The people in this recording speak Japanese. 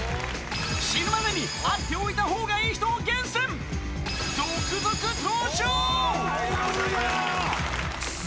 死ぬまでに会っておいたほうがいい人を厳選続々登場！